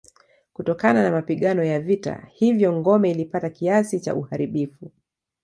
Kutokana na mapigano ya vita hivyo ngome ilipata kiasi cha uharibifu.